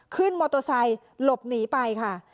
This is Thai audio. ขึ้นมอเตอร์ไซค์หลบหนีไปค่ะ